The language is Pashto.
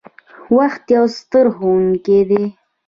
• وخت یو ستر ښوونکی دی.